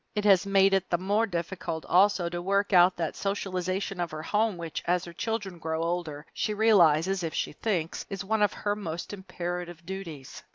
It has made it the more difficult, also, to work out that socialization of her home which, as her children grow older, she realizes, if she thinks, is one of her most imperative duties.